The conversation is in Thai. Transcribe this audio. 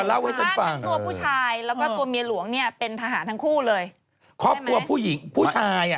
แล้วก็แต่ตัวผู้ชายแล้วมียหลวงเนี่ยเป็นทหารทั้งคู่เลย